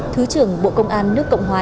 thứ trưởng bộ công an nước cộng hòa